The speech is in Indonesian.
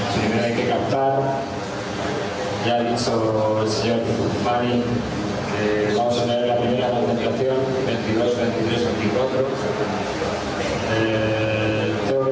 kita akan mencari penyelidikan pertama dua puluh dua dua puluh tiga dua puluh empat